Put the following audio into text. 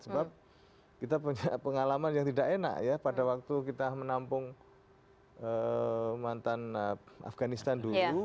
sebab kita punya pengalaman yang tidak enak ya pada waktu kita menampung mantan afganistan dulu